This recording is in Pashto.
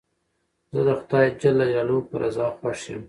زه د خدای جل جلاله په رضا خوښ یم.